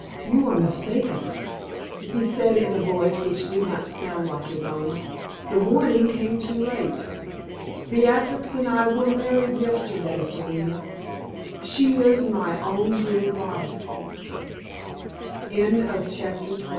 "You are mistaken," he said in a voice which did not sound like his own, "the warning came too late. Beatrix and I were married yesterday, Serena; she is my own dear wife." CHAPTER XXII. SISTER ANGELA.